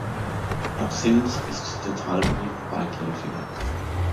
Ab Silz ist der Talboden weitläufiger.